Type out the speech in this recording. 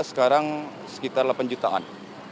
sekarang sekitar delapan jutaan